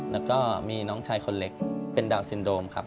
แล้วก็มีน้องชายคนเล็กเป็นดาวนซินโดมครับ